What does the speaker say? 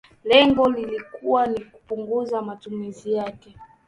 lengo likuwa ni kupunguza matumizi yake